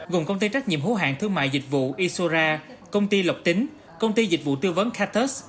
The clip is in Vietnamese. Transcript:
gồm công ty trách nhiệm hố hạng thương mại dịch vụ isora công ty lọc tính công ty dịch vụ tư vấn katus